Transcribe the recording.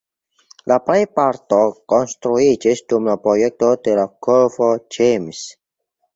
La plejparto konstruiĝis dum la projekto de la golfo James.